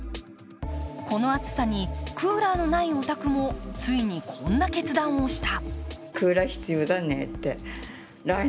この暑さにクーラーのないお宅もついにこんな決断をした。